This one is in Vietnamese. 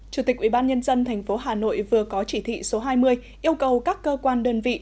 chủ tịch ủy ban nhân dân tp hà nội vừa có chỉ thị số hai mươi yêu cầu các cơ quan đơn vị